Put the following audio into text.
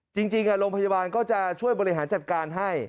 จริงโรงพยาบาลก็จะช่วยบริหารจัดการให้